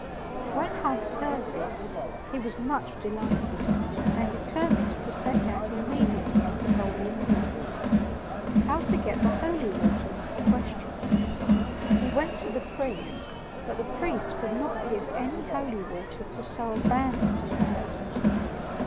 When Hans heard this, he was much delighted, and determined to set out immediately for the Golden River. How to get the holy water was the question. He went to the priest, but the priest could not give any holy water to so abandoned a character.